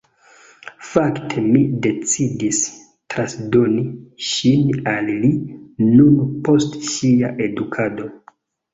Fakte mi decidis transdoni ŝin al li nun post ŝia edukado.